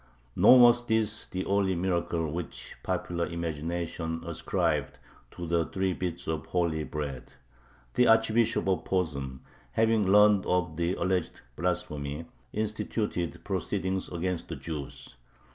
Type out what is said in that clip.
Nor was this the only miracle which popular imagination ascribed to the three bits of holy bread. The Archbishop of Posen, having learned of the alleged blasphemy, instituted proceedings against the Jews.